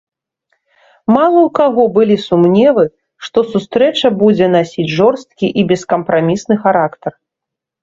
Мала ў каго былі сумневы, што сустрэча будзе насіць жорсткі і бескампрамісны характар.